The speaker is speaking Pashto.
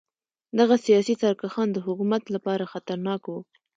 دغه سیاسي سرکښان د حکومت لپاره خطرناک وو.